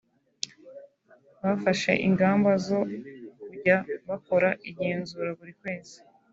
bafashe ingamba zo kujya bakora igenzura buri kwezi